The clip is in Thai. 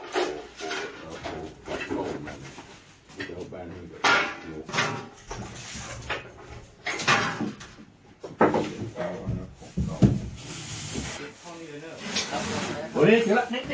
สวัสดีทุกคนหมดชะวัดโปรดโปรด